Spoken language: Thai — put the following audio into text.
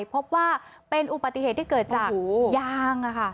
ได้พบว่าเป็นอุปติเหตุที่เกิดจากยางค่ะ